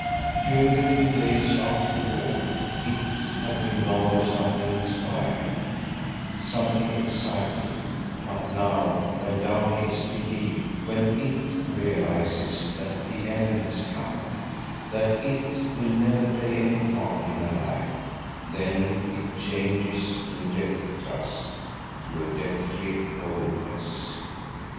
During the two days after the ball "it" had been rather something inspiring, something exciting; but now when Downie is to leave, when "it" realizes that the end has come, that "it" will never play any part in her life, then it changes to a death thrust, to a deathly coldness.